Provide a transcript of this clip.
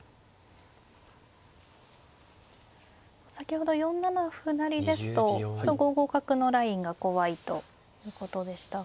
先ほど４七歩成ですと５五角のラインが怖いということでしたが。